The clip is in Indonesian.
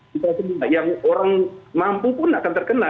kita semua yang orang mampu pun akan terkena